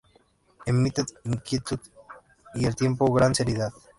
Emiten inquietud y al tiempo gran serenidad.